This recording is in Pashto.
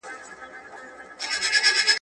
نه به شونډي په لمدې کړم نه مي څاڅکي ته زړه کیږي.